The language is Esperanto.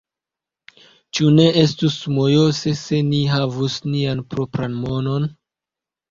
Ĉu ne estus mojose, se ni havus nian propran monon?